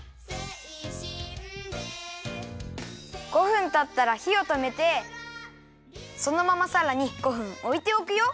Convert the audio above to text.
５分たったらひをとめてそのままさらに５分おいておくよ。